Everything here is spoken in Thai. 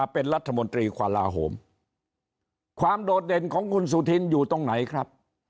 เป็นรัฐมนตรีกลาโหมความโดดเด่นของคุณสุธินอยู่ตรงไหนครับ